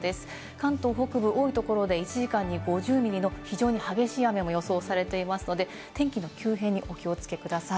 関東北部、多いところで１時間に５０ミリの非常に激しい雨も予想されていますので、天気の急変にお気をつけください。